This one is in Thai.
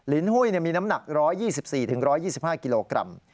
หุ้ยมีน้ำหนัก๑๒๔๑๒๕กิโลกรัม